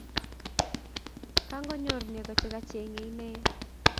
Kangonyor nego chegachenge inne